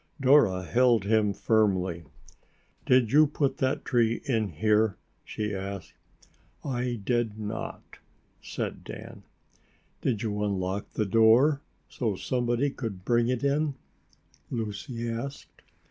Dora held him firmly. "Did you put that tree in here?" she asked. "I did not," said Dan. "Did you unlock the door so somebody could bring it in?" Lucy asked.